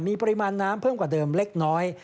มีปริมาณน้ำเพิ่มกว่าเดิมเล็กน้อย